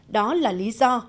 đó là lý do